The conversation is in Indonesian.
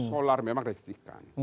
solar memang resikan